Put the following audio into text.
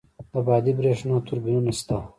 د بادی بریښنا توربینونه شته؟